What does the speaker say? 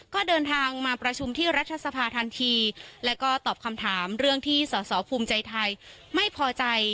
ก็เดินทางมาประชุมที่รัฐสภาทันทีแล้วก็ตอบคำถามเรื่องที่สอสอภูมิใจไทยไม่พอใจ